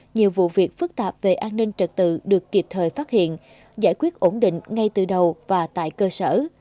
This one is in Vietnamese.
nhiều vụ việc phức tạp về an ninh trật tự được kịp thời phát hiện giải quyết ổn định ngay từ đầu và tại cơ sở